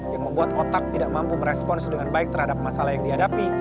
yang membuat otak tidak mampu merespons dengan baik terhadap masalah yang dihadapi